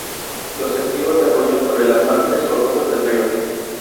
Los estribos se apoyan sobre las márgenes rocosas del río.